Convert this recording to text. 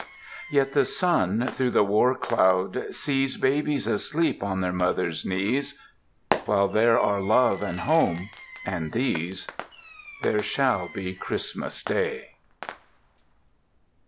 Yet the sun, through the war cloud, sees Babies asleep on their mother's knees. While there are love and home and these = There shall be Christmas Day.